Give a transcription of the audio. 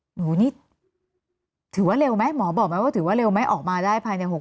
หนูนี่ถือว่าเร็วไหมหมอบอกไหมว่าถือว่าเร็วไหมออกมาได้ภายใน๖๐